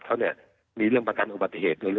เขาเนี่ยมีเรื่องประกันอุบัติเหตุ